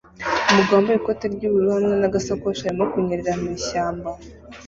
Umugabo wambaye ikoti ry'ubururu hamwe nagasakoshi arimo kunyerera mu ishyamba